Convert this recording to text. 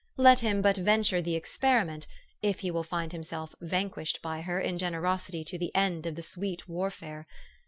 Let him but venture the experiment, if he will find himself vanquished by her in generosity to the end of the sweet warfare.